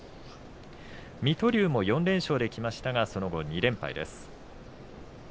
水戸龍も４連勝できましたがその後、２連敗です。